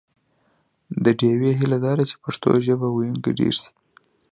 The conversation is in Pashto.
د ډیوې هیله دا ده چې پښتو ژبه ویونکي ډېر شي